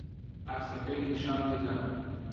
عەکسەکەی نیشان دەدەن